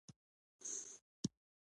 د افغانستان خلک سوله خوښوي